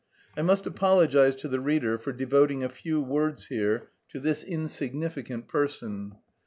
I must apologise to the reader for devoting a few words here to this insignificant person.